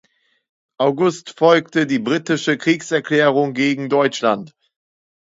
August folgte die britische Kriegserklärung gegen Deutschland.